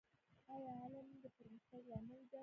ایا علم د پرمختګ لامل دی؟